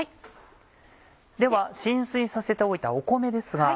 では浸水させておいた米ですが。